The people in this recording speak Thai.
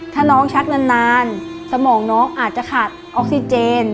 ถ้าน้องชักนานสมองน้องอาจจะขาดออกซิเจน